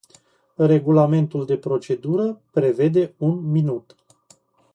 Regulamentul de procedură prevede un minut.